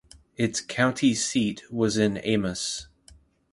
Its County seat was in Amos.